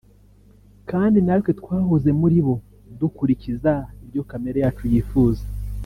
Kandi natwe twahoze muri bo dukurikiza ibyo kamere yacu yifuza